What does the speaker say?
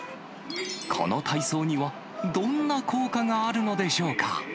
この体操には、どんな効果があるのでしょうか。